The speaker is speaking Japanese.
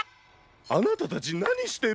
あなたたちなにしてるの？